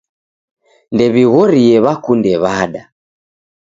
Ndew'ighorie w'akunde w'ada.